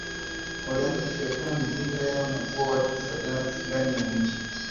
walianza kufyatua mizinga yao na kuua watu kadhaa ndani ya mji